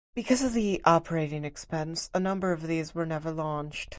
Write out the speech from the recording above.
Because of the operating expense, a number of these were never launched.